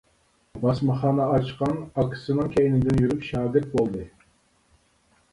باسمىخانا ئاچقان ئاكىسىنىڭ كەينىدىن يۈرۈپ شاگىرت بولدى.